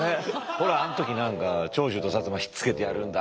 ほらあの時何か長州と摩ひっつけてやるんだとか。